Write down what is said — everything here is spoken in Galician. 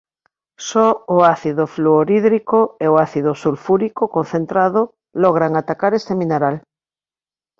Só o ácido fluorhídrico e o ácido sulfúrico concentrado logran atacar este mineral.